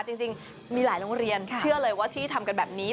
จริงมีหลายโรงเรียนเชื่อเลยว่าที่ทำกันแบบนี้